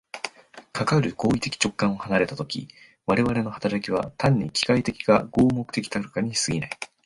かかる行為的直観を離れた時、我々の働きは単に機械的か合目的的たるかに過ぎない。